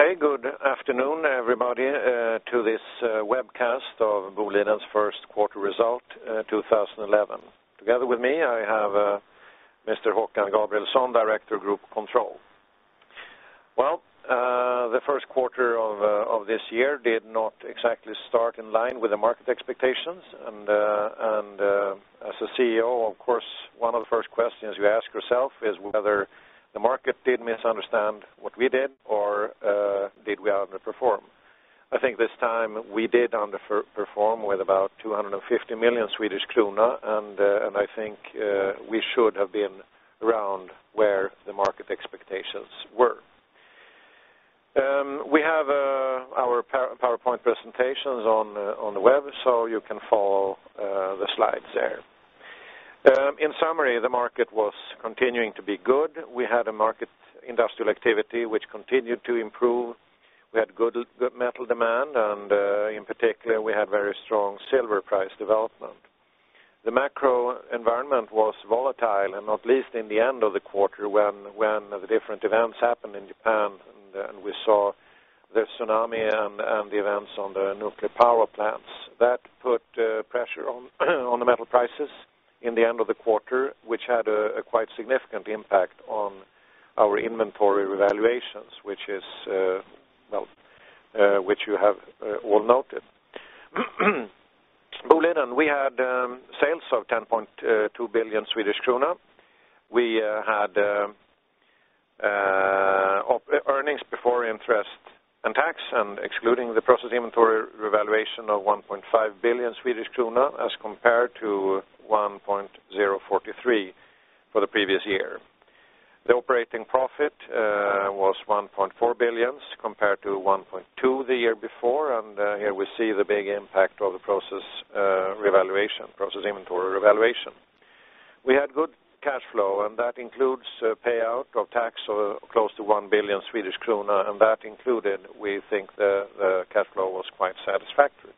Okay, good afternoon, everybody, to this webcast of Boliden's First Quarter Result, 2011. Together with me, I have Mr. Håkan Gabrielsson, Director of Group Control. The first quarter of this year did not exactly start in line with the market expectations, and as a CEO, of course, one of the first questions you ask yourself is whether the market did misunderstand what we did or did we underperform. I think this time we did underperform with about 250 million Swedish krona, and I think we should have been around where the market expectations were. We have our PowerPoint presentations on the web, so you can follow the slides there. In summary, the market was continuing to be good. We had a market industrial activity which continued to improve. We had good metal demand, and in particular, we had very strong silver price development. The macro environment was volatile, and not least in the end of the quarter when the different events happened in Japan, and we saw the tsunami and the events on the nuclear power plants. That put pressure on the metal prices in the end of the quarter, which had a quite significant impact on our inventory revaluations, which you have all noted. Boliden, we had sales of 10.2 billion Swedish krona. We had earnings before interest and tax, and excluding the process inventory revaluation of 1.5 billion Swedish krona as compared to 1.043 billion for the previous year. The operating profit was 1.4 billion compared to 1.2 billion the year before, and here we see the big impact of the process inventory revaluation. We had good cash flow, and that includes payout of tax of close to 1 billion Swedish krona, and that included, we think, the cash flow was quite satisfactory.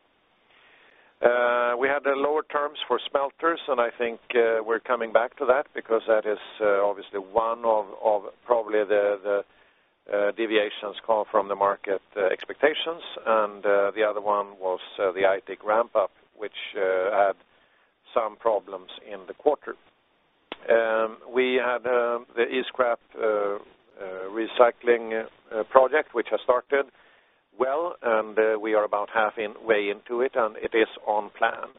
We had lower terms for smelters, and I think we're coming back to that because that is obviously one of probably the deviations come from the market expectations, and the other one was the Aitik ramp-up, which had some problems in the quarter. We had the e-scrap recycling project, which has started well, and we are about halfway into it, and it is on plan.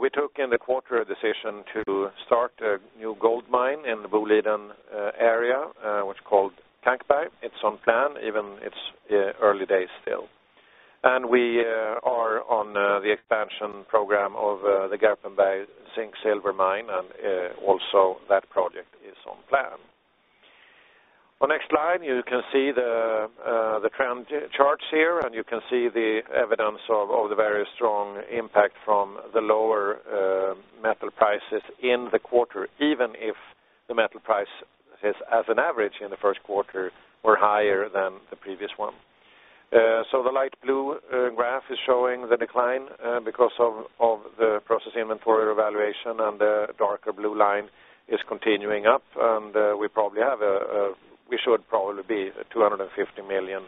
We took in the quarter a decision to start a new gold mine in the Boliden area, which is called Kankberg. It's on plan, even it's early days still. We are on the expansion program of the Garpenberg zinc silver mine, and also that project is on plan. On the next slide, you can see the trend charts here, and you can see the evidence of the very strong impact from the lower metal prices in the quarter, even if the metal prices as an average in the first quarter were higher than the previous one. The light blue graph is showing the decline because of the process inventory revaluation, and the darker blue line is continuing up, and we probably have a, we should probably be 250 million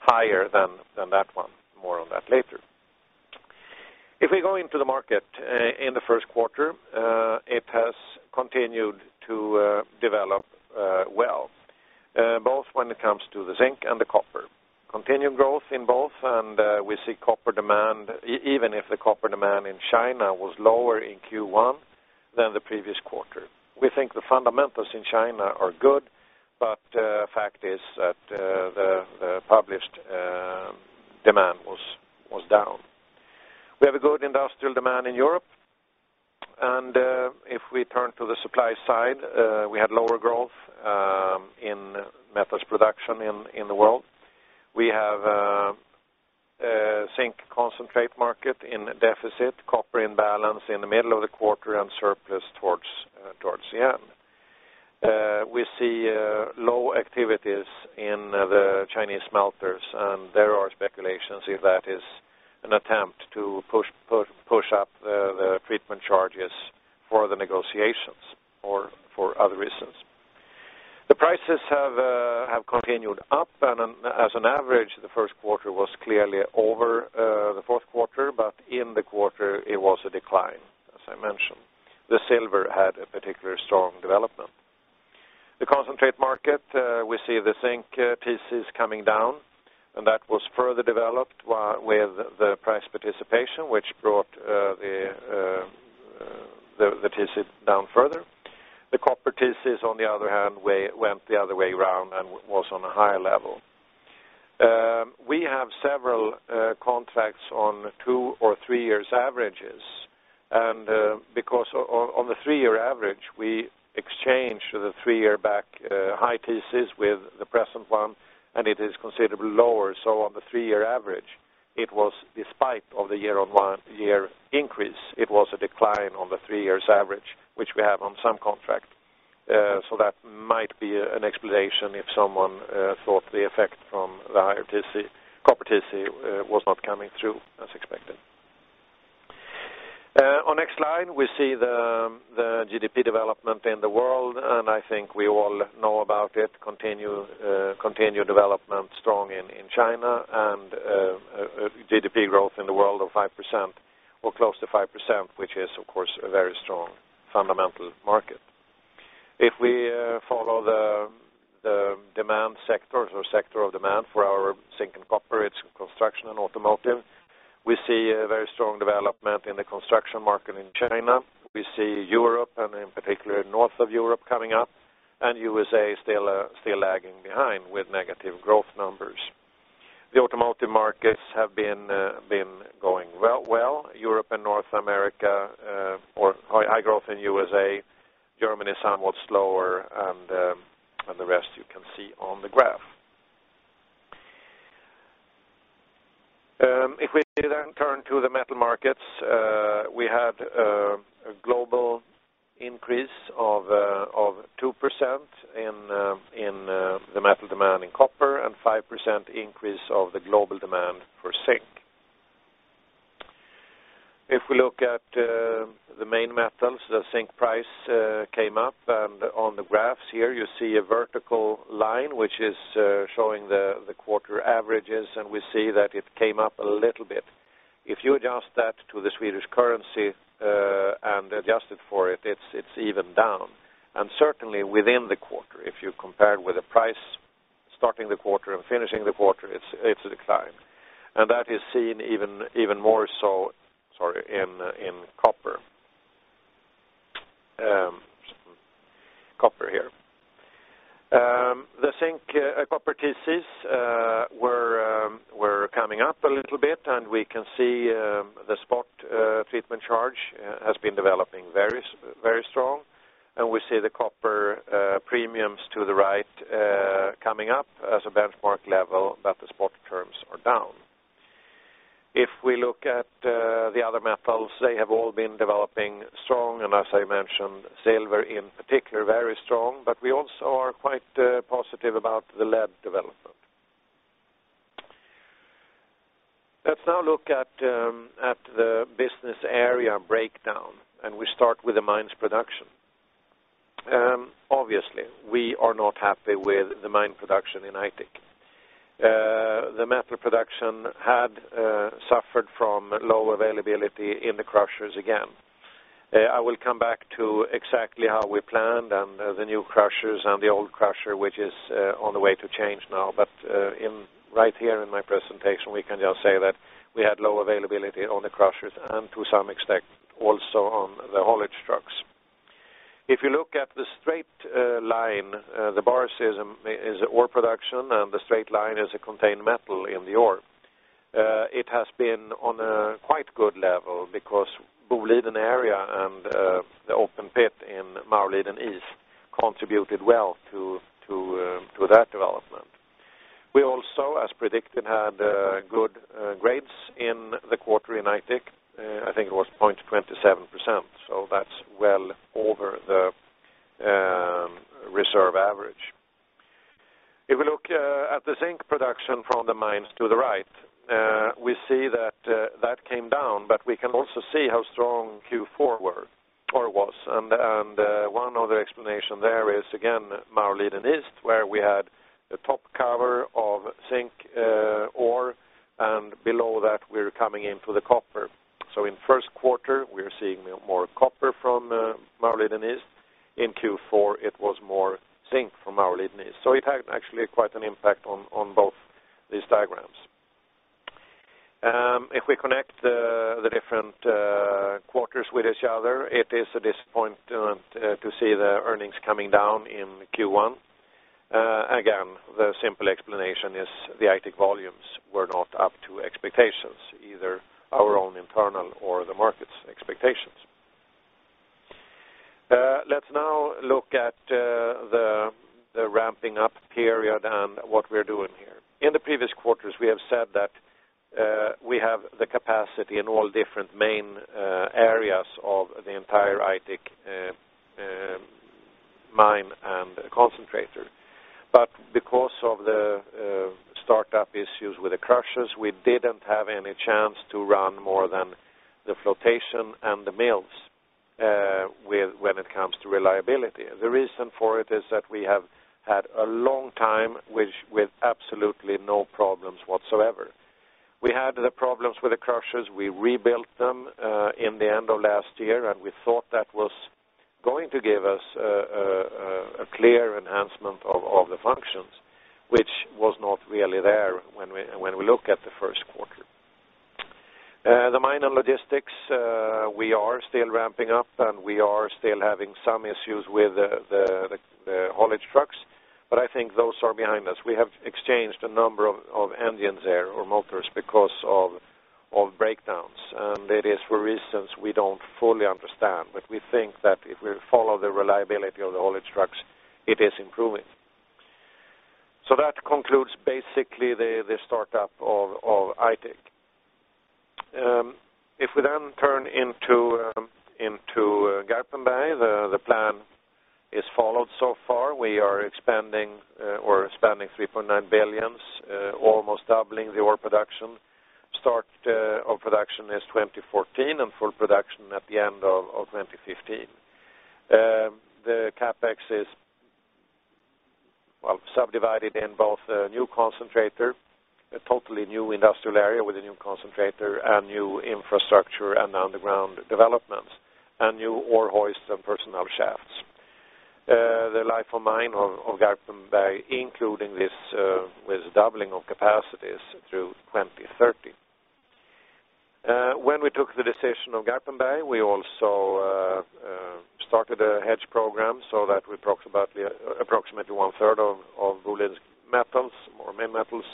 higher than that one. More on that later. If we go into the market in the first quarter, it has continued to develop well, both when it comes to the zinc and the copper. Continued growth in both, and we see copper demand, even if the copper demand in China was lower in Q1 than the previous quarter. We think the fundamentals in China are good, but the fact is that the published demand was down. We have a good industrial demand in Europe, and if we turn to the supply side, we had lower growth in metals production in the world. We have a zinc concentrate market in deficit, copper imbalance in the middle of the quarter, and surplus towards the end. We see low activities in the Chinese smelters, and there are speculations if that is an attempt to push up the treatment charges for the negotiations or for other reasons. The prices have continued up, and as an average, the first quarter was clearly over the fourth quarter, but in the quarter, it was a decline, as I mentioned. The silver had a particularly strong development. The concentrate market, we see the zinc TCs coming down, and that was further developed with the price participation, which brought the TC down further. The copper TCs, on the other hand, went the other way around and was on a higher level. We have several contracts on two or three years averages, and because on the three-year average, we exchanged the three-year back high TCs with the present one, and it is considerably lower. On the three-year average, it was despite the year-on-year increase, it was a decline on the three years average, which we have on some contract. That might be an explanation if someone thought the effect from the higher copper TC was not coming through as expected. On the next slide, we see the GDP development in the world, and I think we all know about it. Continued development strong in China, and GDP growth in the world of 5% or close to 5%, which is, of course, a very strong fundamental market. If we follow the demand sectors or sector of demand for our zinc and copper, it's construction and automotive. We see a very strong development in the construction market in China. We see Europe and in particular North of Europe coming up, and the USA is still lagging behind with negative growth numbers. The automotive markets have been going well. Europe and North America, or high growth in the USA, Germany is somewhat slower, and the rest you can see on the graph. If we then turn to the metal markets, we had a global increase of 2% in the metal demand in copper and a 5% increase of the global demand for zinc. If we look at the main metals, the zinc price came up, and on the graphs here, you see a vertical line which is showing the quarter averages, and we see that it came up a little bit. If you adjust that to the Swedish currency and adjust it for it, it's even down. Certainly, within the quarter, if you compare it with the price starting the quarter and finishing the quarter, it's a decline. That is seen even more so, sorry, in copper. Copper here. The copper TCs were coming up a little bit, and we can see the spot treatment charge has been developing very strong, and we see the copper premiums to the right coming up as a benchmark level, but the spot terms are down. If we look at the other metals, they have all been developing strong, and as I mentioned, silver in particular very strong, but we also are quite positive about the lead development. Let's now look at the business area breakdown, and we start with the mines production. Obviously, we are not happy with the mine production in Aitik. The metal production had suffered from low availability in the crushers again. I will come back to exactly how we planned, and the new crushers and the old crusher, which is on the way to change now. Right here in my presentation, we can just say that we had low availability on the crushers and to some extent also on the hauling trucks. If you look at the straight line, the bars is ore production, and the straight line is a contained metal in the ore. It has been on a quite good level because Boliden area and the open pit in Maurliden East contributed well to that development. We also, as predicted, had good grades in the quarter in Aitik. I think it was 0.27%, so that's well over the reserve average. If we look at the zinc production from the mines to the right, we see that that came down, but we can also see how strong Q4 was. One other explanation there is, again, Maurliden East, where we had the top cover of zinc ore, and below that, we're coming into the copper. In the first quarter, we're seeing more copper from Maurliden East. In Q4, it was more zinc from Maurliden East. It had actually quite an impact on both these diagrams. If we connect the different quarters with each other, it is a disappointment to see the earnings coming down in Q1. The simple explanation is the Aitik volumes were not up to expectations, either our own internal or the market's expectations. Let's now look at the ramping up period and what we're doing here. In the previous quarters, we have said that we have the capacity in all different main areas of the entire Aitik mine and concentrator. Because of the startup issues with the crushers, we didn't have any chance to run more than the flotation and the mills when it comes to reliability. The reason for it is that we have had a long time with absolutely no problems whatsoever. We had the problems with the crushers. We rebuilt them in the end of last year, and we thought that was going to give us a clear enhancement of the functions, which was not really there when we look at the first quarter. The mine and logistics, we are still ramping up, and we are still having some issues with the hauling trucks, but I think those are behind us. We have exchanged a number of engines there or motors because of breakdowns, and it is for reasons we don't fully understand. We think that if we follow the reliability of the hauling trucks, it is improving. That concludes basically the startup of Aitik. If we then turn into Garpenberg, the plan is followed so far. We are expanding 3.9 billion, almost doubling the ore production. Start of production is 2014, and full production at the end of 2015. The CapEx is subdivided in both a new concentrator, a totally new industrial area with a new concentrator, and new infrastructure and underground developments, and new ore hoists and personnel shafts. The life of mine of Garpenberg including this doubling of capacities through 2030. When we took the decision of Garpenberg, we also started a hedge program so that approximately 1/3 of Boliden's metals or minmetals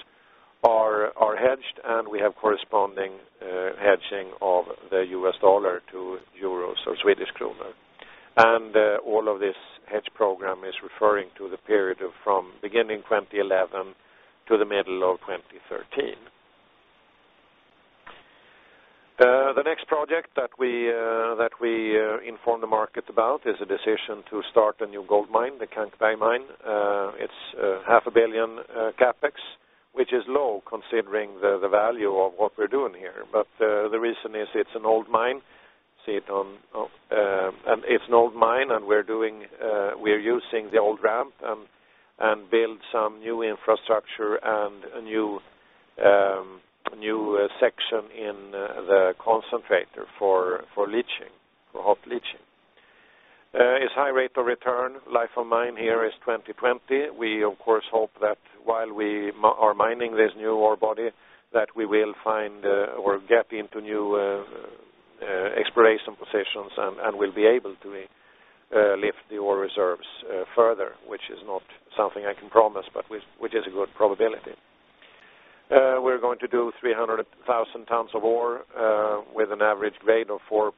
are hedged, and we have corresponding hedging of the US dollar to Euros or Swedish krona. All of this hedge program is referring to the period from the beginning of 2011 to the middle of 2013. The next project that we informed the market about is a decision to start a new gold mine, the Kankberg mine. It's half a billion CapEx, which is low considering the value of what we're doing here. The reason is it's an old mine, and we're using the old ramp and build some new infrastructure and a new section in the concentrator for hot leaching. It's a high rate of return. Life of mine here is 2020. We, of course, hope that while we are mining this new ore body, we will find or get into new exploration positions and will be able to lift the ore reserves further, which is not something I can promise, but which is a good probability. We're going to do 300,000 tons of ore with an average grade of 4 g.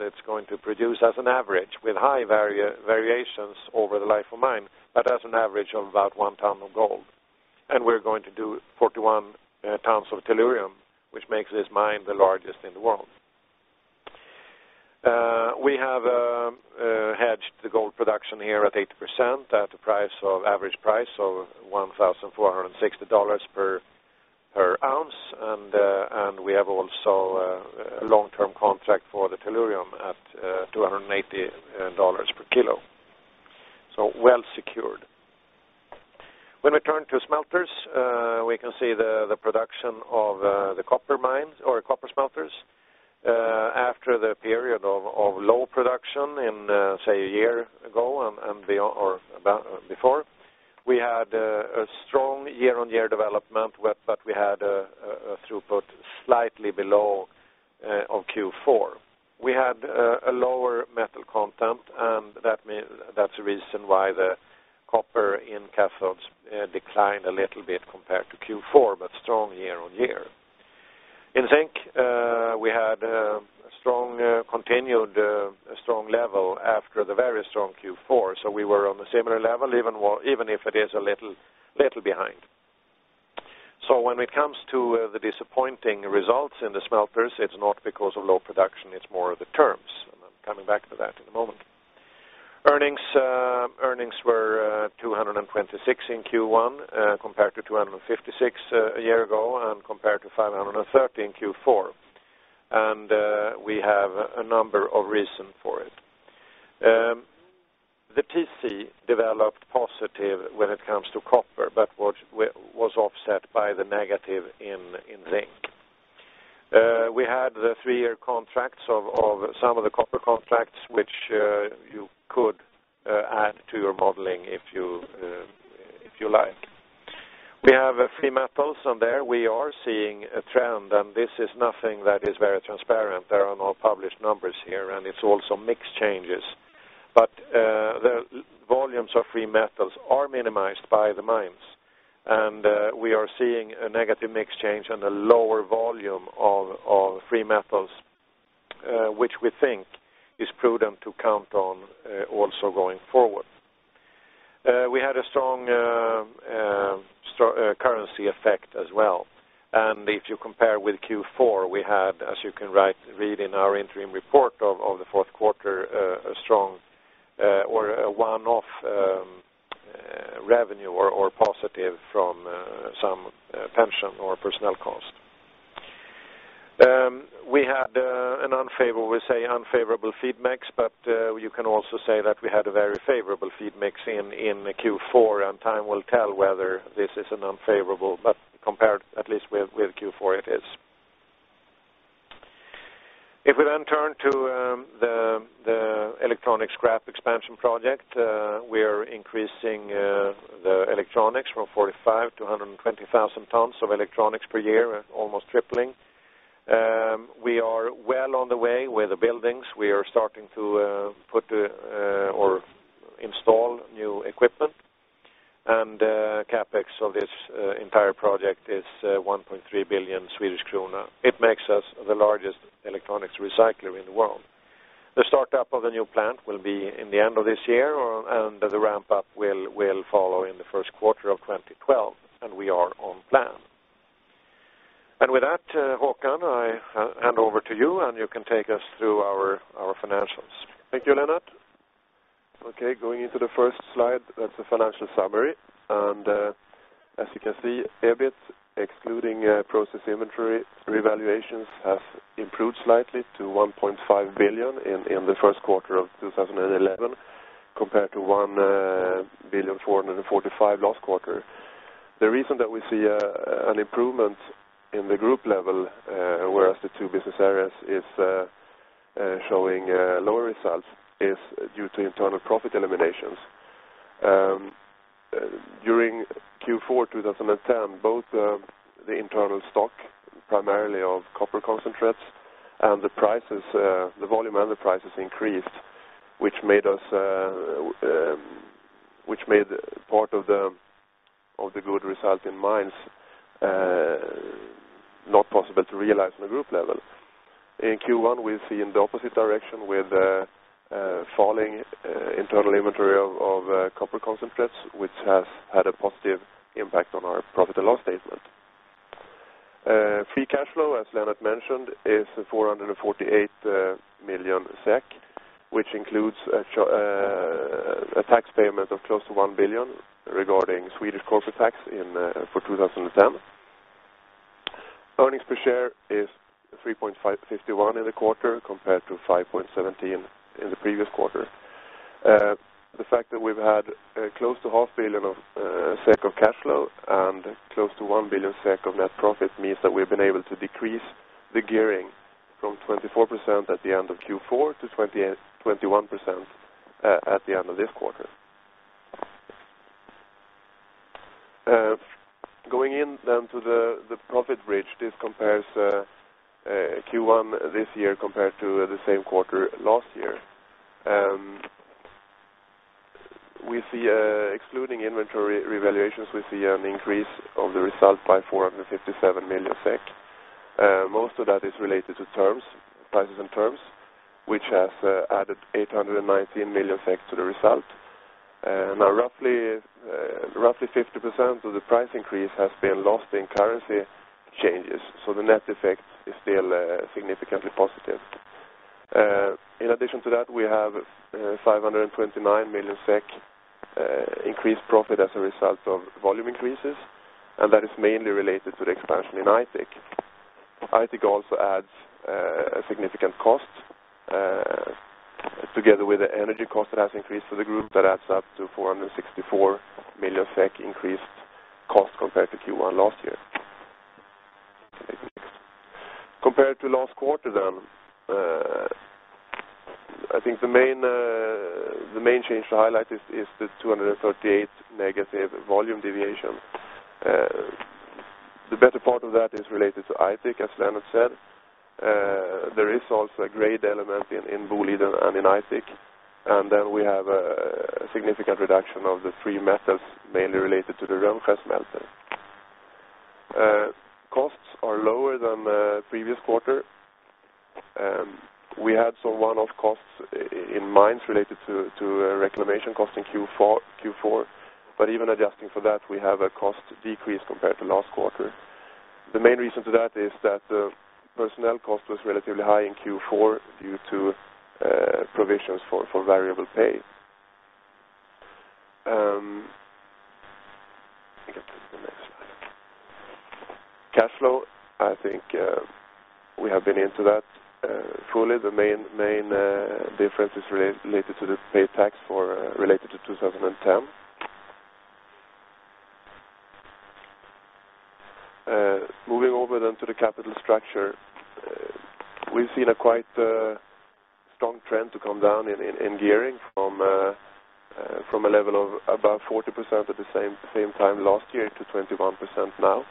It's going to produce as an average with high variations over the life of mine, but as an average of about 1 ton of gold. We're going to do 41 tons of tellurium, which makes this mine the largest in the world. We have hedged the gold production here at 80% at an average price of $1,460 per oz, and we have also a long-term contract for the tellurium at $280 per kg. So, well secured. When we turn to smelters, we can see the production of the copper mines or copper smelters. After the period of low production in, say, a year ago and before, we had a strong year-on-year development, but we had a throughput slightly below that of Q4. We had a lower metal content, and that's a reason why the copper in cathodes declined a little bit compared to Q4, but strong year-on-year. In zinc, we had a continued strong level after the very strong Q4. We were on a similar level, even if it is a little behind. When it comes to the disappointing results in the smelters, it's not because of low production. It's more of the terms. I'm coming back to that in a moment. Earnings were 226 in Q1 compared to 256 a year ago and compared to 530 in Q4. We have a number of reasons for it. The TC developed positive when it comes to copper, but was offset by the negative in zinc. We had the three-year contracts of some of the copper contracts, which you could add to your modeling if you like. We have free metals, and there we are seeing a trend, and this is nothing that is very transparent. There are no published numbers here, and it's also mixed changes. The volumes of free metals are minimized by the mines, and we are seeing a negative mix change and a lower volume of free metals, which we think is prudent to count on also going forward. We had a strong currency effect as well. If you compare with Q4, we had, as you can read in our interim report of the fourth quarter, a strong or a one-off revenue or positive from some pension or personnel cost. We had an unfavorable, we say unfavorable feed mix, but you can also say that we had a very favorable feed mix in Q4, and time will tell whether this is an unfavorable, but compared at least with Q4, it is. If we then turn to the electronics scrap expansion project, we are increasing the electronics from 45,000 tons to 120,000 tons of electronics per year, almost tripling. We are well on the way with the buildings. We are starting to put or install new equipment, and CapEx of this entire project is 1.3 billion Swedish krona. It makes us the largest electronics recycler in the world. The startup of the new plant will be in the end of this year, and the ramp-up will follow in the first quarter of 2012, and we are on plan. With that, Håkan, I hand over to you, and you can take us through our financials. Thank you, Lennart. Okay, going into the first slide, that's the financial summary. As you can see, EBIT, excluding process inventory revaluations, has improved slightly to 1.5 billion in the first quarter of 2011 compared to 1,445,000,000 last quarter. The reason that we see an improvement in the group level, whereas the two business areas are showing lower results, is due to internal profit eliminations. During Q4 2010, both the internal stock, primarily of copper concentrates, and the prices, the volume and the prices increased, which made part of the good result in mines not possible to realize in the group level. In Q1, we see in the opposite direction with the falling internal inventory of copper concentrates, which has had a positive impact on our profit and loss statement. Free cash flow, as Lennart mentioned, is 448 million SEK, which includes a tax payment of close to 1 billion regarding Swedish corporate tax for 2010. Earnings per share is 3.51 in the quarter compared to 5.17 in the previous quarter. The fact that we've had close to 0.5 billion SEK of cash flow and close to 1 billion SEK of net profit means that we've been able to decrease the gearing from 24% at the end of Q4 to 21% at the end of this quarter. Going in then to the profit bridge, this compares Q1 this year compared to the same quarter last year. We see, excluding inventory revaluations, we see an increase of the result by 457 million SEK. Most of that is related to prices and terms, which has added 819 million SEK to the result. Now, roughly 50% of the price increase has been lost in currency changes. The net effect is still significantly positive. In addition to that, we have 529 million SEK increased profit as a result of volume increases, and that is mainly related to the expansion in Aitik. Aitik also adds a significant cost together with the energy cost that has increased for the group that adds up to 464 million increased cost compared to Q1 last year. Compared to last quarter then, I think the main change to highlight is the 238 million negative volume deviation. The better part of that is related to Aitik, as Lennart said. There is also a grade element in Boliden and in Aitik, and then we have a significant reduction of the three metals mainly related to the Rönnskär smelter. Costs are lower than the previous quarter. We had some one-off costs in mines related to reclamation costs in Q4, but even adjusting for that, we have a cost decrease compared to last quarter. The main reason for that is that the personnel cost was relatively high in Q4 due to provisions for variable pays. Cash flow, I think we have been into that fully. The main difference is related to the paid tax related to 2010. Moving over then to the capital structure, we've seen a quite strong trend to come down in gearing from a level of about 40% at the same time last year to 21% now.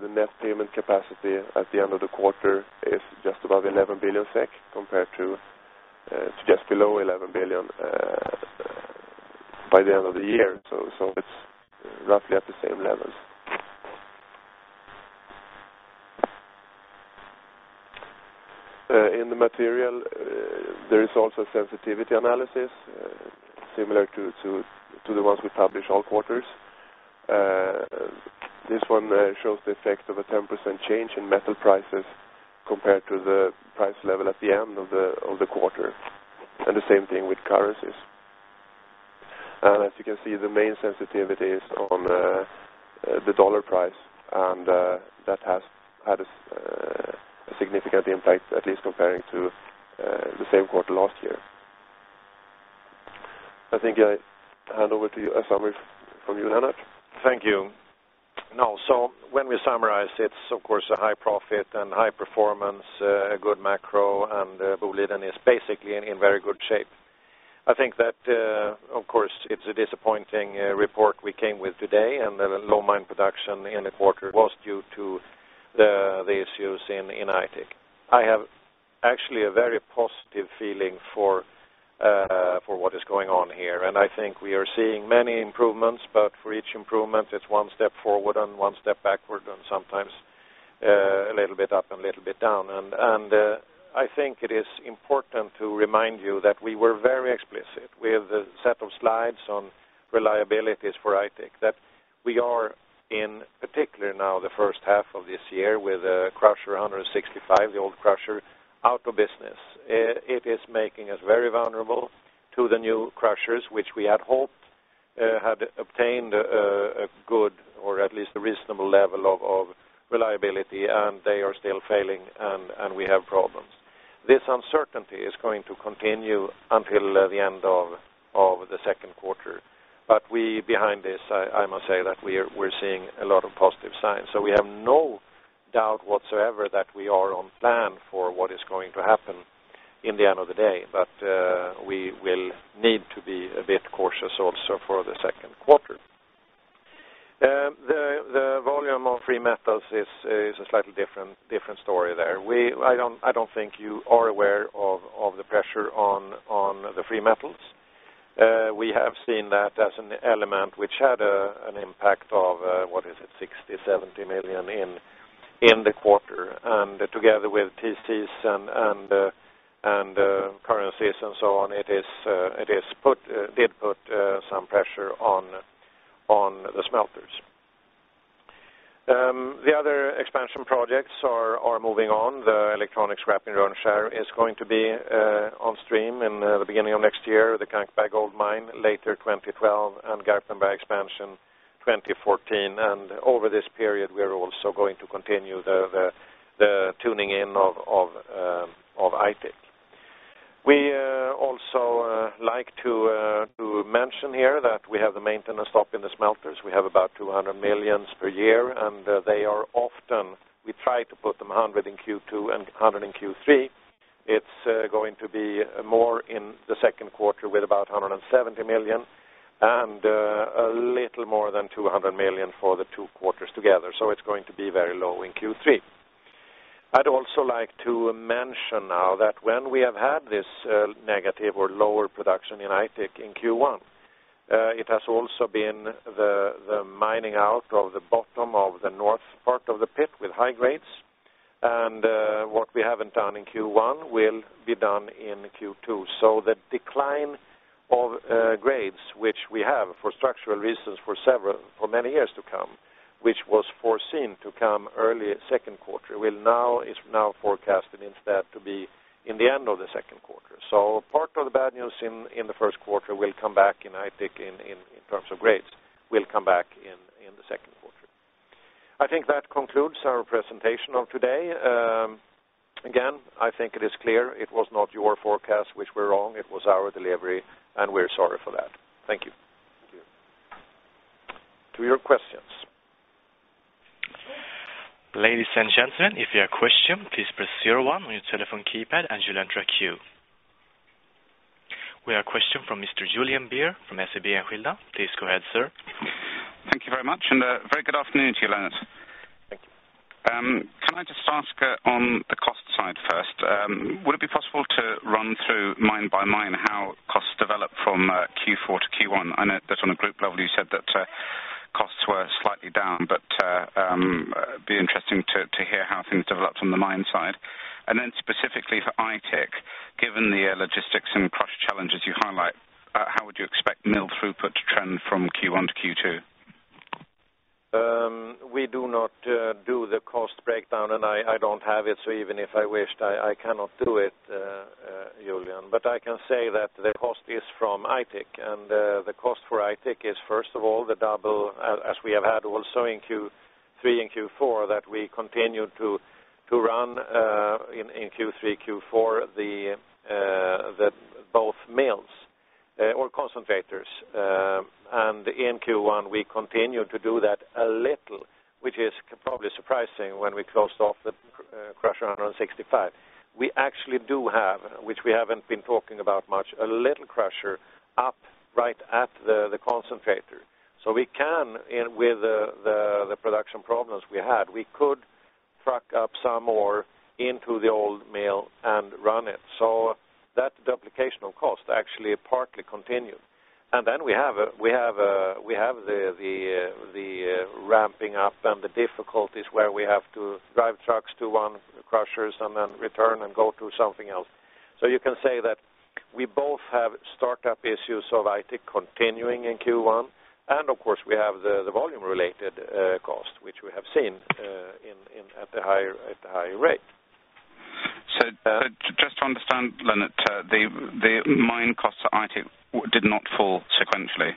The net payment capacity at the end of the quarter is just above 11 billion SEK compared to just below 11 billion by the end of the year. It's roughly at the same levels. In the material, there is also a sensitivity analysis similar to the ones we publish all quarters. This one shows the effect of a 10% change in metal prices compared to the price level at the end of the quarter, and the same thing with currencies. As you can see, the main sensitivity is on the dollar price, and that has had a significant impact, at least comparing to the same quarter last year. I think I hand over to you a summary from you, Lennart. Thank you. No, so when we summarize, it's, of course, a high profit and high performance, a good macro, and Boliden is basically in very good shape. I think that, of course, it's a disappointing report we came with today, and the low mine production in the quarter was due to the issues in Aitik. I have actually a very positive feeling for what is going on here, and I think we are seeing many improvements, but for each improvement, it's one step forward and one step backward and sometimes a little bit up and a little bit down. I think it is important to remind you that we were very explicit with a set of slides on reliabilities for Aitik, that we are in particular now the first half of this year with the crusher 165, the old crusher out of business. It is making us very vulnerable to the new crushers, which we had hoped had obtained a good or at least a reasonable level of reliability, and they are still failing, and we have problems. This uncertainty is going to continue until the end of the second quarter, but behind this, I must say that we're seeing a lot of positive signs. We have no doubt whatsoever that we are on plan for what is going to happen in the end of the day, but we will need to be a bit cautious also for the second quarter. The volume of free metals is a slightly different story there. I don't think you are aware of the pressure on the free metals. We have seen that as an element which had an impact of, what is it, 60 million, 70 million in the quarter. Together with TCs and currencies and so on, it did put some pressure on the smelters. The other expansion projects are moving on. The electronic scrap recycling in Rönnskär is going to be on stream in the beginning of next year, the Kankberg gold mine, later 2012, and Garpenberg expansion 2014. Over this period, we are also going to continue the tuning in of Aitik. We also like to mention here that we have the maintenance stop in the smelters. We have about 200 million per year, and they are often, we try to put them on within Q2 and depend on in Q3. It's going to be more in the second quarter with about 170 million and a little more than 200 million for the two quarters together. It's going to be very low in Q3. I'd also like to mention now that when we have had this negative or lower production in Aitik in Q1, it has also been the mining out of the bottom of the north part of the pit with high grades. What we haven't done in Q1 will be done in Q2. The decline of grades, which we have for structural reasons for many years to come, which was foreseen to come early second quarter, is now forecasted instead to be in the end of the second quarter. Part of the bad news in the first quarter will come back in Aitik in terms of grades, will come back in the second quarter. I think that concludes our presentation of today. Again, I think it is clear it was not your forecast, which were wrong. It was our delivery, and we're sorry for that. Thank you. To your questions. Ladies and gentlemen, if you have a question, please press zero one on your telephone keypad and you'll enter a queue. We have a question from Mr. Julian Beer from SEB Enskilda. Please go ahead, sir. Thank you very much, and a very good afternoon to you, Lennart. Thank you. Can I just ask on the cost side first? Would it be possible to run through mine by mine how costs develop from Q4 to Q1? I know that on a group level, you said that costs were slightly down, but it'd be interesting to hear how things develop from the mine side. Specifically for Aitik, given the logistics and crusher challenges you highlight, how would you expect the mill throughput to trend from Q1 to Q2? We do not do the cost breakdown, and I don't have it, so even if I wished, I cannot do it, Julian. I can say that the cost is from Aitik, and the cost for Aitik is, first of all, the double, as we have had also in Q3 and Q4, that we continue to run in Q3, Q4 the both mills or concentrators. In Q1, we continue to do that a little, which is probably surprising when we closed off the crusher 165. We actually do have, which we haven't been talking about much, a little crusher up right at the concentrator. With the production problems we had, we could truck up some more into the old mill and run it. That duplication of cost actually partly continued. We have the ramping up and the difficulties where we have to drive trucks to one crusher and then return and go to something else. You can say that we both have startup issues of Aitik continuing in Q1, and of course, we have the volume-related cost, which we have seen at the higher rate. Just to understand, Lennart, the mine costs for Aitik did not fall sequentially?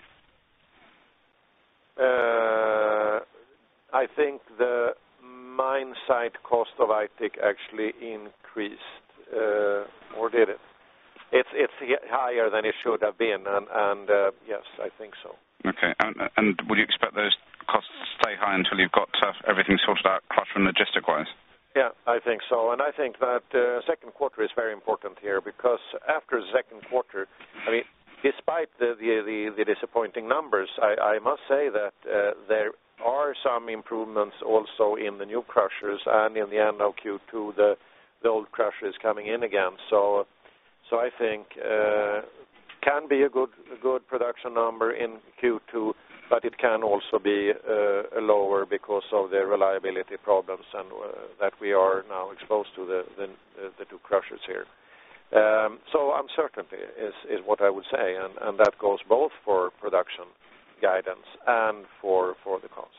I think the mine site cost of Aitik actually increased. It's higher than it should have been, and yes, I think so. Okay. Would you expect those costs to stay high until you've got everything sorted out, crusher and logistic-wise? I think so. I think that the second quarter is very important here because after the second quarter, despite the disappointing numbers, I must say that there are some improvements also in the new crushers, and at the end of Q2, the old crusher is coming in again. I think it can be a good production number in Q2, but it can also be lower because of the reliability problems that we are now exposed to, the two crushers here. Uncertainty is what I would say, and that goes both for production guidance and for the cost.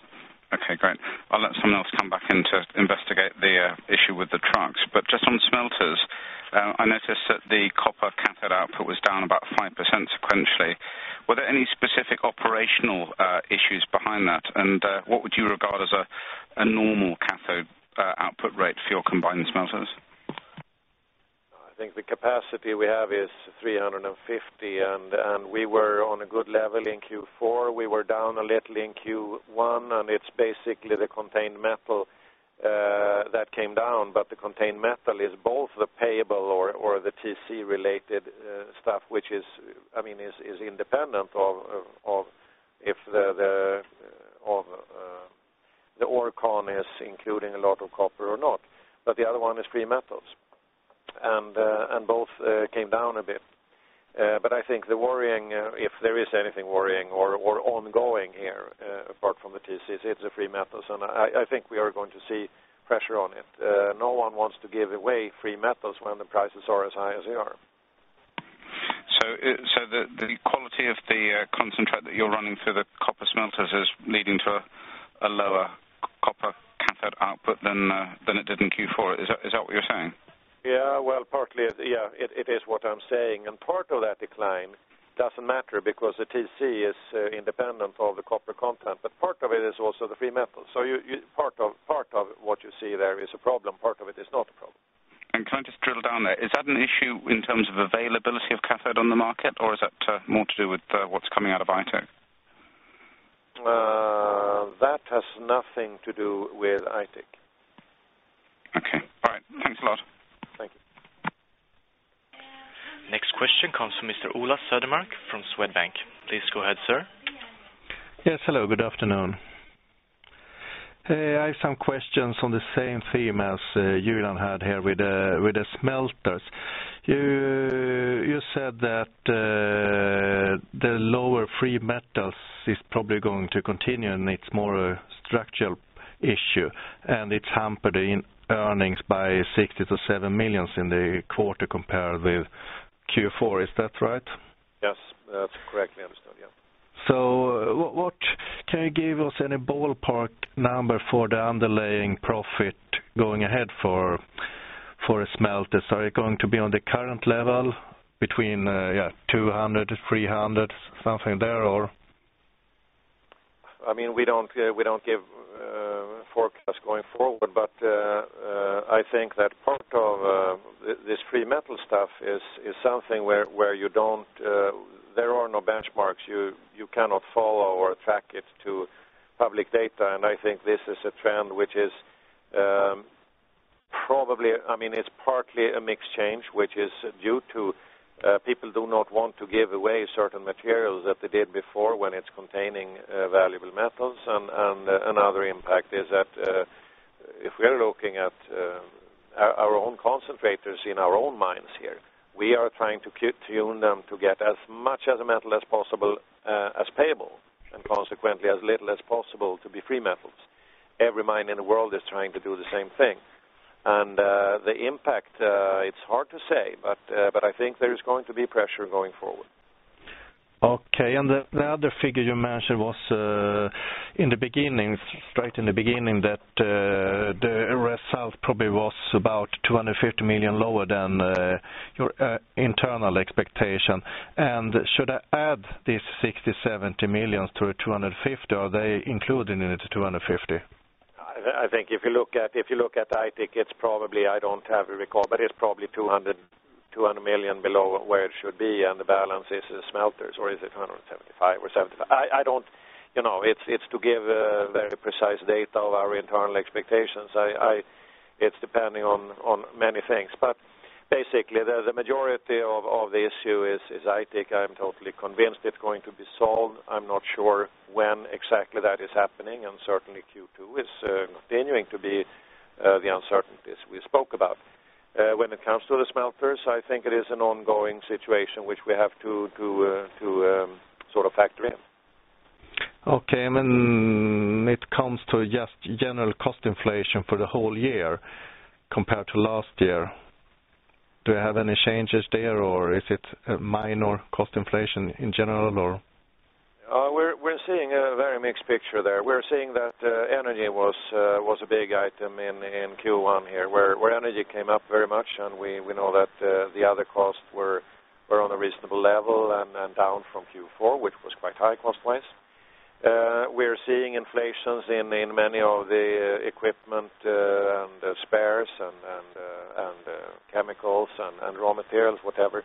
Okay, great. I'll let someone else come back in to investigate the issue with the trucks. Just on smelters, I noticed that the copper cathode output was down about 5% sequentially. Were there any specific operational issues behind that? What would you regard as a normal cathode output rate for your combined smelters? I think the capacity we have is 350, and we were on a good level in Q4. We were down a little in Q1, and it's basically the contained metal that came down. The contained metal is both the payable or the TC-related stuff, which is, I mean, is independent of if the ore con is including a lot of copper or not. The other one is free metals, and both came down a bit. I think the worrying, if there is anything worrying or ongoing here apart from the TCs, is the free metals, and I think we are going to see pressure on it. No one wants to give away free metals when the prices are as high as they are. The quality of the concentrate that you're running through the copper smelters is leading to a lower copper cathode output than it did in Q4. Is that what you're saying? Yeah, partly, it is what I'm saying. Part of that decline doesn't matter because the TC is independent of the copper content, but part of it is also the free metals. Part of what you see there is a problem. Part of it is not a problem. Can I just drill down there? Is that an issue in terms of availability of cathode on the market, or is that more to do with what's coming out of Aitik? That has nothing to do with Aitik. Okay. All right. Thanks a lot. Thank you. Next question comes from Mr. Ola Södermark from Swedbank. Please go ahead, sir. Yes, hello. Good afternoon. I have some questions on the same theme as Julian had here with the smelters. You said that the lower free metals is probably going to continue, and it's more a structural issue, and it's hampered in earnings by 60 million-70 million in the quarter compared with Q4. Is that right? Yes, that's correctly understood, yeah. Can you give us any ballpark number for the underlying profit going ahead for smelters? Are you going to be on the current level between, yeah, 200, 300, something there, or? I mean, we don't give forecasts going forward, but I think that part of this free metal stuff is something where you don't, there are no benchmarks. You cannot follow or track it to public data. I think this is a trend which is probably, I mean, it's partly a mix change, which is due to people not wanting to give away certain materials that they did before when it's containing valuable metals. Another impact is that if we are looking at our own concentrators in our own mines here, we are trying to tune them to get as much of a metal as possible as payable and consequently as little as possible to be free metals. Every mine in the world is trying to do the same thing. The impact, it's hard to say, but I think there is going to be pressure going forward. Okay. The other figure you mentioned was in the beginning, straight in the beginning, that the result probably was about 250 million lower than your internal expectation. Should I add this 60 million-70 million to the 250 million, or are they included in the 250 million? I think if you look at Aitik, it's probably, I don't have a recall, but it's probably 200 million below where it should be, and the balance is smelters, or is it 175 million or 75 million? I don't, you know, it's to give very precise data of our internal expectations. It's depending on many things. Basically, the majority of the issue is Aitik. I'm totally convinced it's going to be solved. I'm not sure when exactly that is happening, and certainly Q2 is continuing to be the uncertainties we spoke about. When it comes to the smelters, I think it is an ongoing situation which we have to sort of factor in. Okay. When it comes to just general cost inflation for the whole year compared to last year, do you have any changes there, or is it a minor cost inflation in general? We're seeing a very mixed picture there. We're seeing that energy was a big item in Q1 here, where energy came up very much, and we know that the other costs were on a reasonable level and down from Q4, which was quite high cost-wise. We're seeing inflation in many of the equipment and spares and chemicals and raw materials, whatever.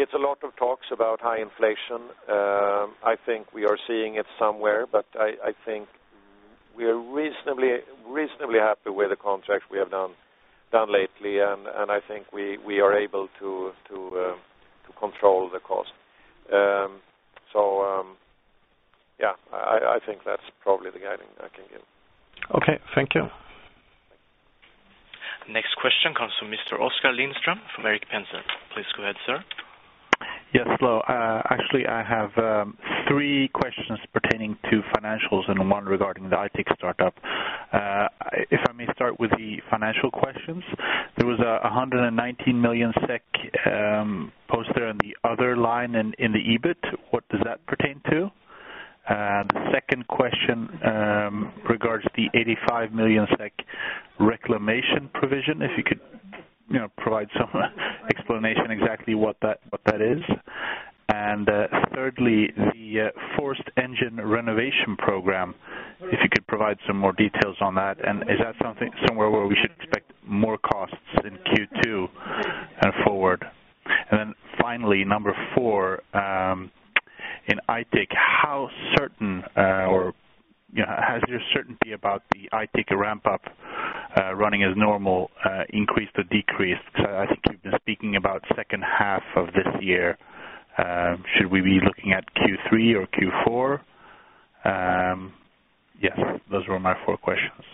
It's a lot of talks about high inflation. I think we are seeing it somewhere, but I think we are reasonably happy with the contracts we have done lately, and I think we are able to control the cost. I think that's probably the guidance I can give. Okay, thank you. Next question comes from Mr. Oskar Lindström from Erik Penser. Please go ahead, sir. Yes, hello. Actually, I have three questions pertaining to financials and one regarding the Aitik startup. If I may start with the financial questions, there was a 119 million SEK poster in the other line in the EBIT. What does that pertain to? The second question regards the 85 million SEK reclamation provision, if you could provide some explanation exactly what that is. Thirdly, the forced engine renovation program, if you could provide some more details on that. Is that something somewhere where we should expect more costs in Q2 and forward? Finally, number four, in Aitik, how certain or has your certainty about the Aitik ramp-up running as normal increased or decreased? I think you've been speaking about the second half of this year. Should we be looking at Q3 or Q4? Yes, those were my four questions.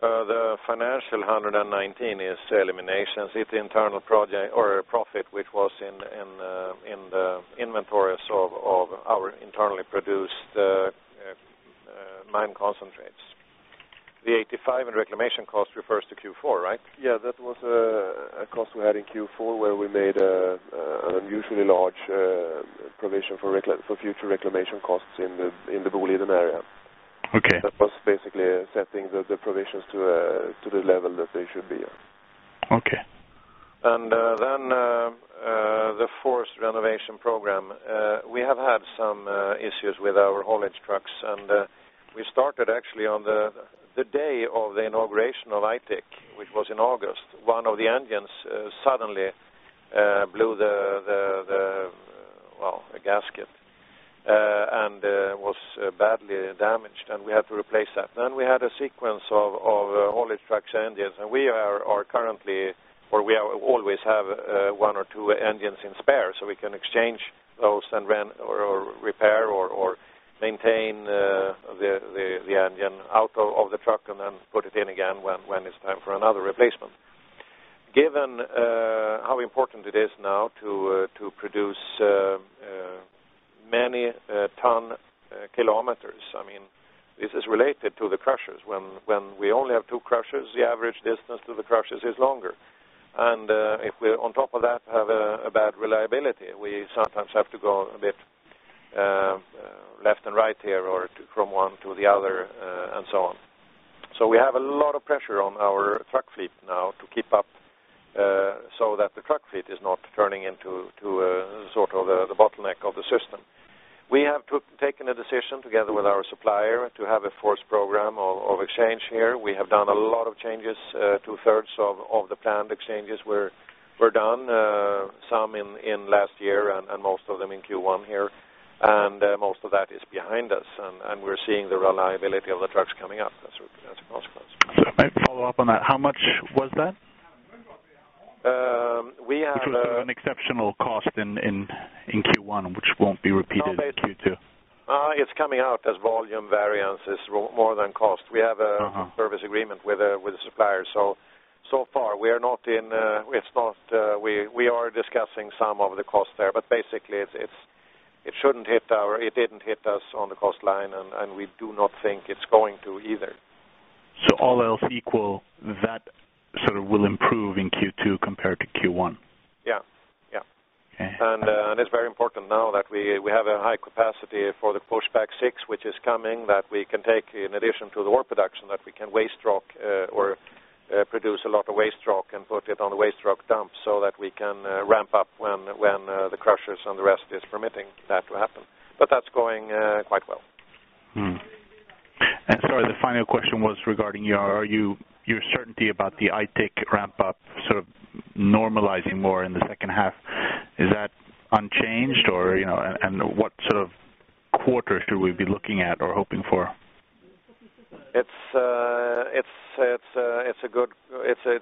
The financial 119 is eliminations. It's the internal project or profit which was in the inventory of our internally produced mine concentrates. The 85 in reclamation cost refers to Q4, right? Yeah, that was a cost we had in Q4 where we made an unusually large provision for future reclamation costs in the Boliden area. Okay. That was basically setting the provisions to the level that they should be. Okay. The forced renovation program, we have had some issues with our hauling trucks, and we started actually on the day of the inauguration of Aitik, which was in August. One of the engines suddenly blew the gasket and was badly damaged, and we had to replace that. We had a sequence of hauling trucks and engines, and we are currently, or we always have one or two engines in spare, so we can exchange those and rent or repair or maintain the engine out of the truck and then put it in again when it's time for another replacement. Given how important it is now to produce many ton kilometers, I mean, this is related to the crushers. When we only have two crushers, the average distance to the crushers is longer. If we on top of that have a bad reliability, we sometimes have to go a bit left and right here or from one to the other and so on. We have a lot of pressure on our truck fleet now to keep up so that the truck fleet is not turning into sort of the bottleneck of the system. We have taken a decision together with our supplier to have a forced program of exchange here. We have done a lot of changes. Two-thirds of the planned exchanges were done, some in last year and most of them in Q1 here. Most of that is behind us, and we're seeing the reliability of the trucks coming up. Sorry, I follow up on that. How much was that? We have. Which was an exceptional cost in Q1, which won't be repeated in Q2. It's coming out as volume variances, more than cost. We have a service agreement with the supplier. So far, we are not in, it's not, we are discussing some of the costs there, but basically, it shouldn't hit our, it didn't hit us on the cost line, and we do not think it's going to either. All else equal, that sort of will improve in Q2 compared to Q1? Yeah. Okay. It's very important now that we have a high capacity for the pushback six, which is coming, that we can take in addition to the ore production, that we can waste rock or produce a lot of waste rock and put it on the waste rock dump so that we can ramp up when the crushers and the rest is permitting that to happen. That's going quite well. Sorry, the final question was regarding your certainty about the Aitik ramp-up sort of normalizing more in the second half. Is that unchanged, or, you know, what sort of quarter should we be looking at or hoping for? It's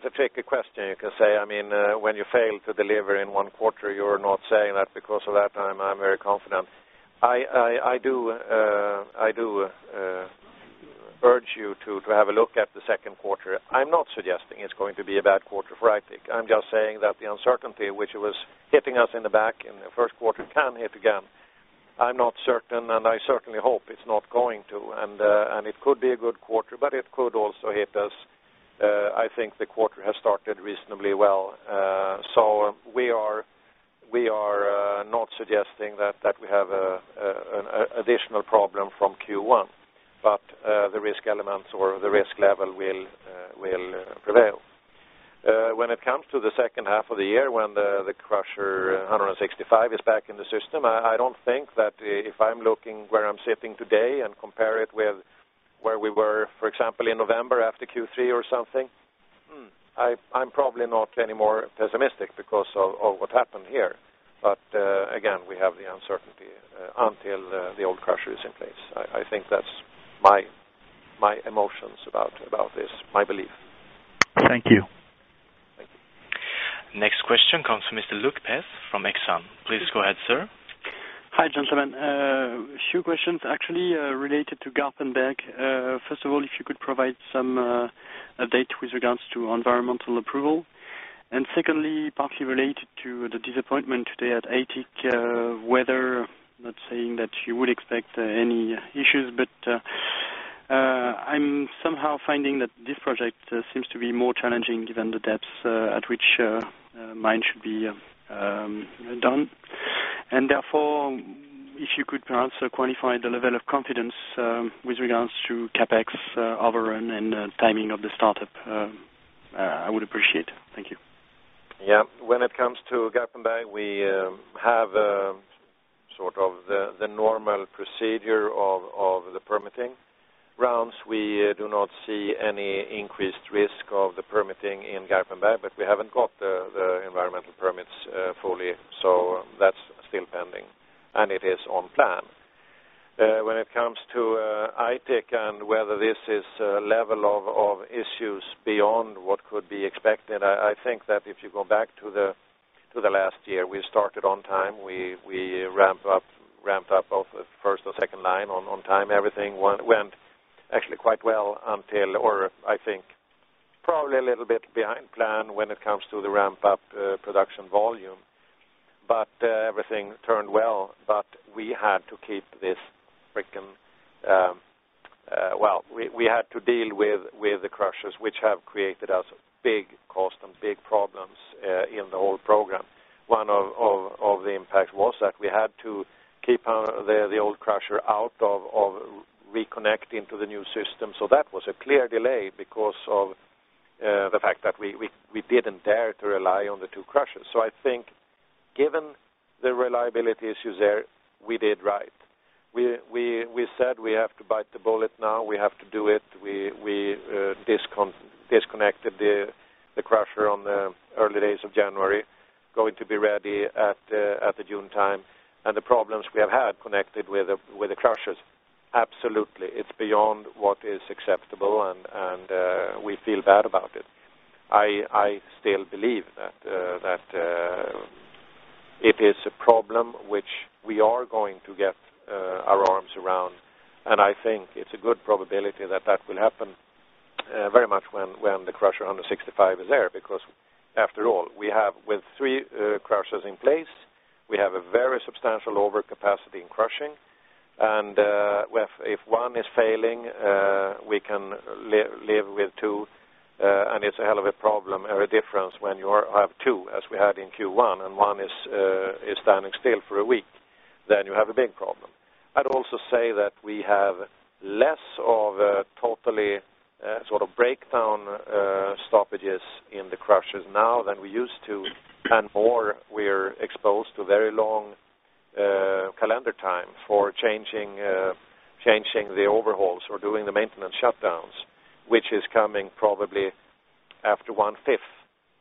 a tricky question, you can say. I mean, when you fail to deliver in one quarter, you're not saying that because of that, I'm very confident. I do urge you to have a look at the second quarter. I'm not suggesting it's going to be a bad quarter for Aitik. I'm just saying that the uncertainty, which was hitting us in the back in the first quarter, can hit again. I'm not certain, and I certainly hope it's not going to. It could be a good quarter, but it could also hit us. I think the quarter has started reasonably well. We are not suggesting that we have an additional problem from Q1, but the risk elements or the risk level will prevail. When it comes to the second half of the year, when the crusher 165 is back in the system, I don't think that if I'm looking where I'm sitting today and compare it with where we were, for example, in November after Q3 or something, I'm probably not anymore pessimistic because of what happened here. Again, we have the uncertainty until the old crusher is in place. I think that's my emotions about this, my belief. Thank you. Next question comes from Mr. Luc Peth from Exxon. Please go ahead, sir. Hi, gentlemen. A few questions, actually, related to Garpenberg. First of all, if you could provide some updates with regards to environmental approval. Secondly, partly related to the disappointment today at Aitik, not saying that you would expect any issues, but I'm somehow finding that this project seems to be more challenging given the depths at which mine should be done. Therefore, if you could perhaps quantify the level of confidence with regards to CapEx, overrun, and timing of the startup, I would appreciate it. Thank you. Yeah. When it comes to Garpenberg, we have sort of the normal procedure of the permitting rounds. We do not see any increased risk of the permitting in Garpenberg, but we haven't got the environmental permits fully. That's still pending, and it is on plan. When it comes to Aitik and whether this is a level of issues beyond what could be expected, I think that if you go back to last year, we started on time. We ramped up both the first or second line on time. Everything went actually quite well until, or I think probably a little bit behind plan when it comes to the ramp-up production volume. Everything turned well, but we had to keep this fricking well, we had to deal with the crushers, which have created us big costs and big problems in the whole program. One of the impacts was that we had to keep the old crusher out of reconnecting to the new system. That was a clear delay because of the fact that we didn't dare to rely on the two crushers. I think given the reliability issues there, we did right. We said we have to bite the bullet now. We have to do it. We disconnected the crusher on the early days of January, going to be ready at the June time. The problems we have had connected with the crushers, absolutely, it's beyond what is acceptable, and we feel bad about it. I still believe that it is a problem which we are going to get our arms around. I think it's a good probability that that will happen very much when the crusher 165 is there because after all, we have with three crushers in place, we have a very substantial overcapacity in crushing. If one is failing, we can live with two, and it's a hell of a problem or a difference when you have two, as we had in Q1, and one is standing still for a week. You have a big problem. I'd also say that we have less of a totally sort of breakdown stoppages in the crushers now than we used to, and more we are exposed to very long calendar time for changing the overhauls or doing the maintenance shutdowns, which is coming probably after 1/5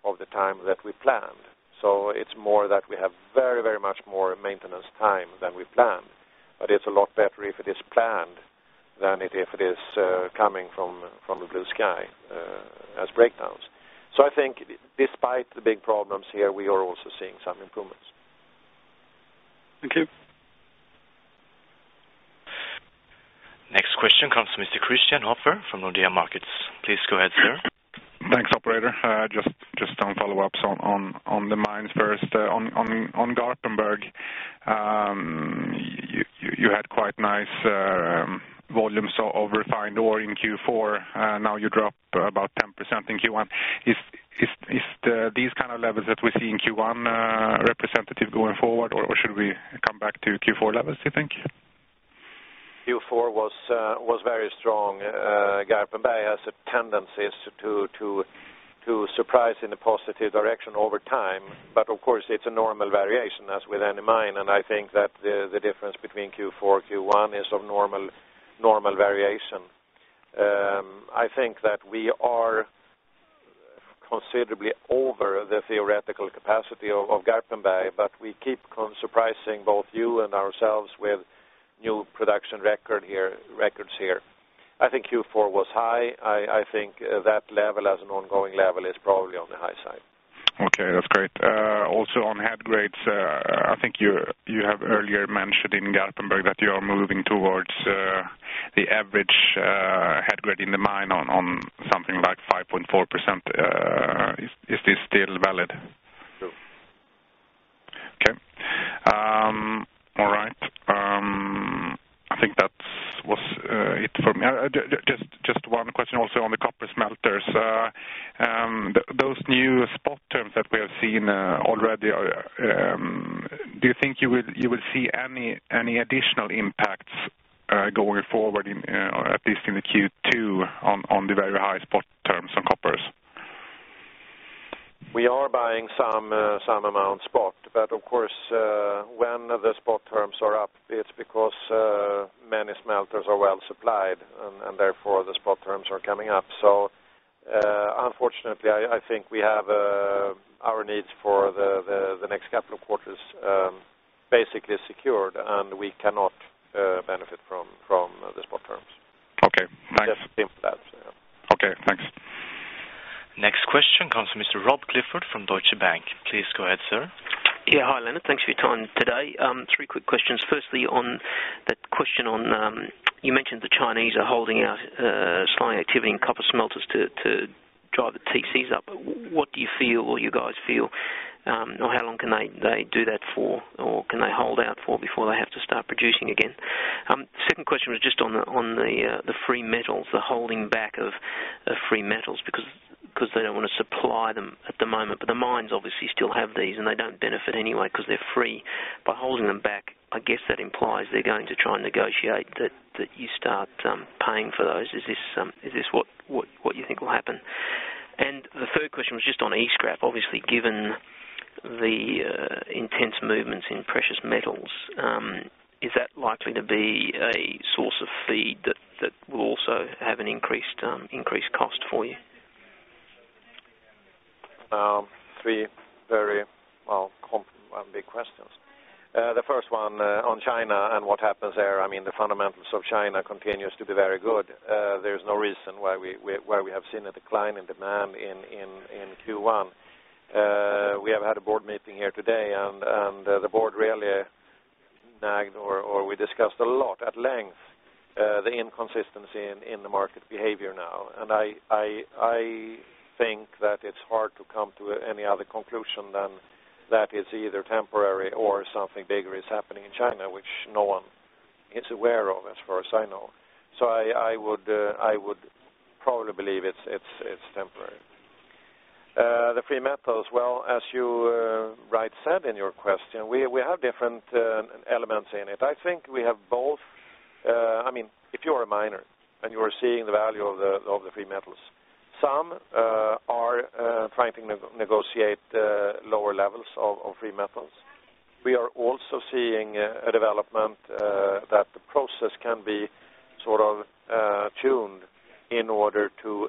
of the time that we planned. It's more that we have very, very much more maintenance time than we planned. It's a lot better if it is planned than if it is coming from the blue sky as breakdowns. I think despite the big problems here, we are also seeing some improvements. Thank you. Next question comes to Mr. Christian Kasper from Nordea Markets. Please go ahead, sir. Next operator. Just some follow-ups on the mines first. On Garpenberg, you had quite nice volumes of refined ore in Q4. Now you drop about 10% in Q1. Is these kind of levels that we see in Q1 representative going forward, or should we come back to Q4 levels, do you think? Q4 was very strong. Garpenberg has a tendency to surprise in a positive direction over time. Of course, it's a normal variation as with any mine. I think that the difference between Q4 and Q1 is of normal variation. I think that we are considerably over the theoretical capacity of Garpenberg, but we keep surprising both you and ourselves with new production records here. I think Q4 was high. I think that level as an ongoing level is probably on the high side. Okay, that's great. Also on head grades, I think you have earlier mentioned in Garpenberg that you are moving towards the average head grade in the mine on something like 5.4%. Is this still valid? True. Okay. All right. I think that was it for me. Just one question also on the copper smelters. Those new spot terms that we have seen already, do you think you will see any additional impacts going forward, at least in the Q2, on the very high spot terms on copper? We are buying some amount spot, but of course, when the spot terms are up, it's because many smelters are well supplied, and therefore, the spot terms are coming up. Unfortunately, I think we have our needs for the next couple of quarters basically secured, and we cannot benefit from the spot terms. Okay. Just seems that. Okay, thanks. Next question comes from Mr. Rob Clifford from Deutsche Bank. Please go ahead, sir. Yeah, hi, Lennart. Thanks for your time today. Three quick questions. Firstly, on that question on you mentioned the Chinese are holding out, slowing activity in copper smelters to drive the TCs up. What do you feel or you guys feel, and how long can they do that for, or can they hold out for before they have to start producing again? The second question was just on the free metals, the holding back of free metals because they don't want to supply them at the moment. The mines obviously still have these, and they don't benefit anyway because they're free. By holding them back, I guess that implies they're going to try and negotiate that you start paying for those. Is this what you think will happen? The third question was just on e-scrap, obviously, given the intense movements in precious metals. Is that likely to be a source of feed that will also have an increased cost for you? Three very big questions. The first one on China and what happens there. I mean, the fundamentals of China continue to be very good. There's no reason why we have seen a decline in demand in Q1. We have had a board meeting here today, and the board really nagged, or we discussed a lot at length the inconsistency in the market behavior now. I think that it's hard to come to any other conclusion than that it's either temporary or something bigger is happening in China, which no one is aware of as far as I know. I would probably believe it's temporary. The free metals, as you right said in your question, we have different elements in it. I think we have both. I mean, if you're a miner and you are seeing the value of the free metals, some are trying to negotiate lower levels of free metals. We are also seeing a development that the process can be sort of tuned in order to,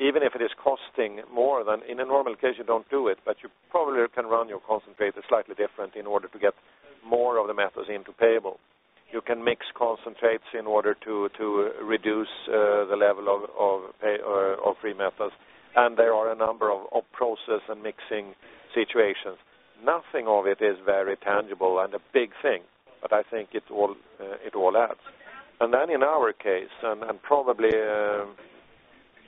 even if it is costing more than in a normal case, you don't do it, but you probably can run your concentrator slightly different in order to get more of the metals into payable. You can mix concentrates in order to reduce the level of free metals. There are a number of process and mixing situations. Nothing of it is very tangible and a big thing, but I think it all adds. In our case, and probably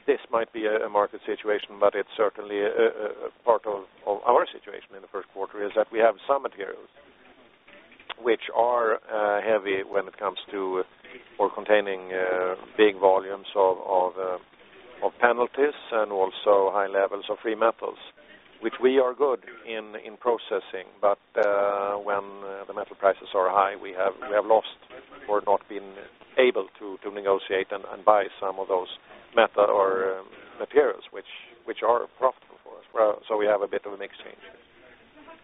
this might be a market situation, but it's certainly a part of our situation in the first quarter, we have some materials which are heavy when it comes to or containing big volumes of penalties and also high levels of free metals, which we are good in processing. When the metal prices are high, we have lost or not been able to negotiate and buy some of those metals or materials which are profitable for us. We have a bit of a mixed change.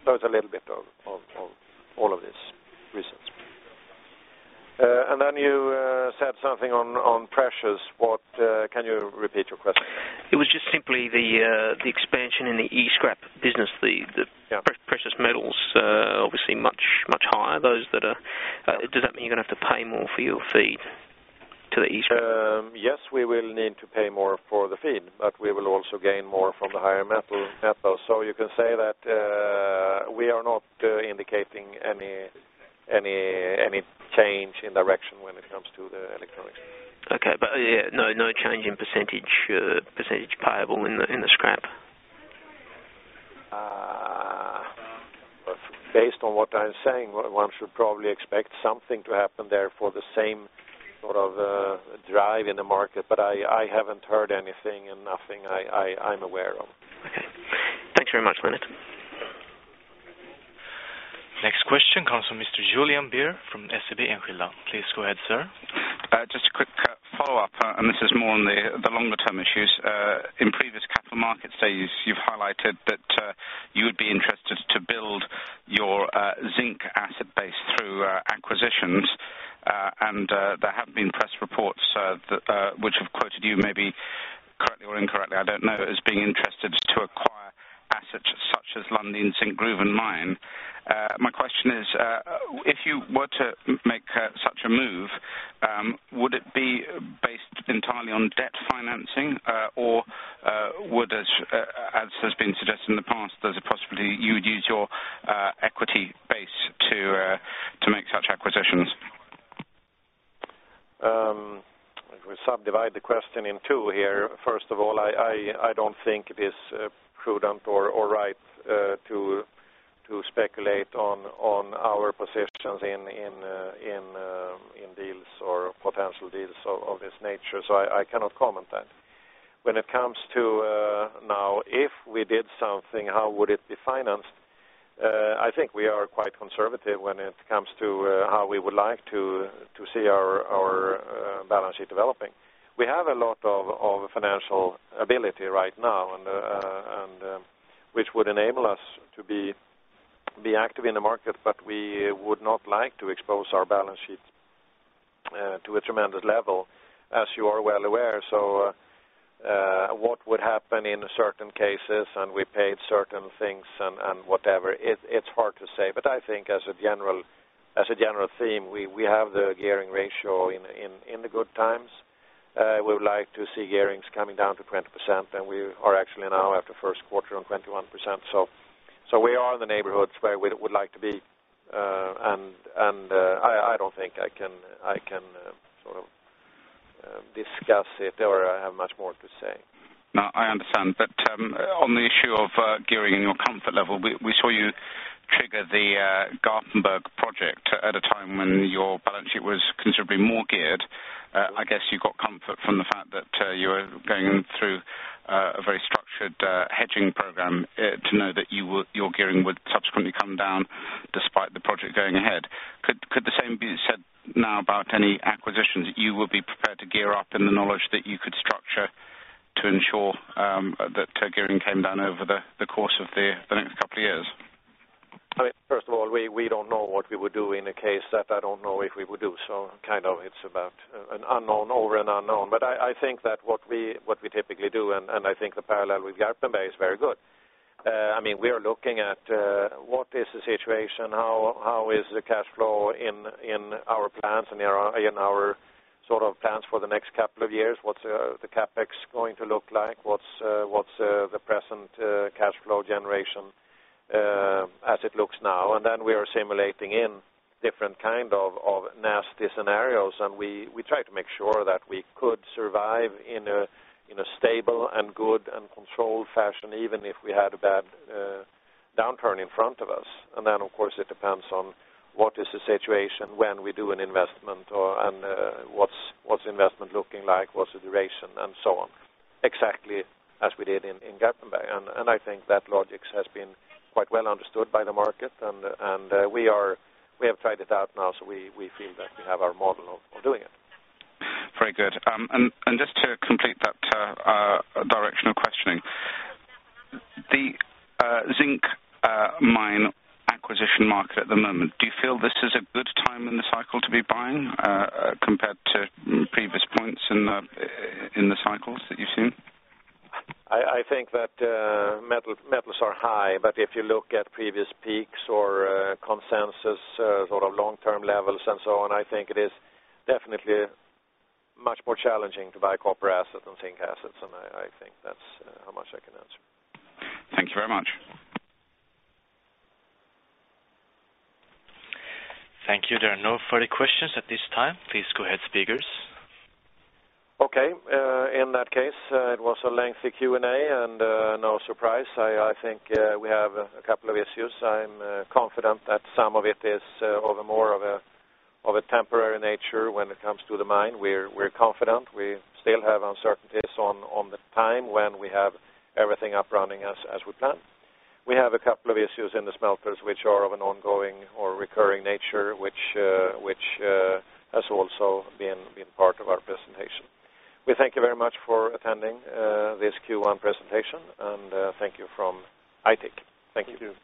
There's a little bit of all of these reasons. You said something on pressures. Can you repeat your question? It was just simply the expansion in the e-scrap business, the precious metals, obviously much, much higher. Does that mean you're going to have to pay more for your feed to the e-scrap? Yes, we will need to pay more for the feed, but we will also gain more from the higher metals. You can say that we are not indicating any change in direction when it comes to the electronics. Okay. No change in percent payable in the scrap? Based on what I'm saying, one should probably expect something to happen there for the same sort of drive in the market. I haven't heard anything and nothing I'm aware of. Okay. Thanks very much, Lennart. Next question comes from Mr. Julian Beer from SEB Enskilda. Please go ahead, sir. Just a quick follow-up, this is more on the longer-term issues. In previous capital market studies, you've highlighted that you would be interested to build your zinc asset base through acquisitions. There have been press reports which have quoted you, maybe correctly or incorrectly, I don't know, as being interested to acquire assets such as London's Zinc Group of Mines. My question is, if you were to make such a move, would it be based entirely on debt financing, or would, as has been suggested in the past, there's a possibility you would use your equity base to make such acquisitions? If we subdivide the question in two here, first of all, I don't think it is prudent or right to speculate on our positions in deals or potential deals of this nature. I cannot comment on that. When it comes to now, if we did something, how would it be financed? I think we are quite conservative when it comes to how we would like to see our balance sheet developing. We have a lot of financial ability right now, which would enable us to be active in the market, but we would not like to expose our balance sheet to a tremendous level, as you are well aware. What would happen in certain cases and we paid certain things and whatever, it's hard to say. I think as a general theme, we have the gearing ratio in the good times. We would like to see gearings coming down to 20%, and we are actually now after the first quarter on 21%. We are in the neighborhoods where we would like to be. I don't think I can sort of discuss it or I have much more to say. No, I understand. On the issue of gearing and your comfort level, we saw you trigger the Garpenberg project at a time when your balance sheet was considerably more geared. I guess you got comfort from the fact that you were going through a very structured hedging program to know that your gearing would subsequently come down despite the project going ahead. Could the same be said now about any acquisitions, that you would be prepared to gear up in the knowledge that you could structure to ensure that gearing came down over the course of the next couple of years? First of all, we don't know what we would do in a case that I don't know if we would do. It's about an unknown over an unknown. I think that what we typically do, and the parallel with Garpenberg is very good. We are looking at what is the situation, how is the cash flow in our plans and in our plans for the next couple of years, what's the CapEx going to look like, what's the present cash flow generation as it looks now. We are simulating in different kinds of nasty scenarios, and we try to make sure that we could survive in a stable, good, and controlled fashion even if we had a bad downturn in front of us. Of course, it depends on what is the situation when we do an investment and what's the investment looking like, what's the duration, and so on, exactly as we did in Garpenberg. I think that logic has been quite well understood by the market, and we have tried it out now, so we feel that we have our model of doing it. Very good. Just to complete that direction of questioning, the zinc mine acquisition market at the moment, do you feel this is a good time in the cycle to be buying compared to previous points in the cycles that you've seen? I think that metals are high, but if you look at previous peaks or consensus sort of long-term levels and so on, I think it is definitely much more challenging to buy copper assets and zinc assets. I think that's how much I can answer. Thank you very much. Thank you. There are no further questions at this time. Please go ahead, Speakers. Okay. In that case, it was a lengthy Q&A, and no surprise. I think we have a couple of issues. I'm confident that some of it is of a more of a temporary nature when it comes to the mine. We're confident. We still have uncertainties on the time when we have everything up running as we planned. We have a couple of issues in the smelters which are of an ongoing or recurring nature, which has also been part of our presentation. We thank you very much for attending this Q1 presentation, and thank you from Boliden. Thank you. Thank you.